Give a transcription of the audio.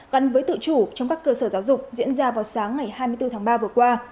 gắn với tự chủ trong các cơ sở giáo dục diễn ra vào sáng ngày hai mươi bốn tháng ba vừa qua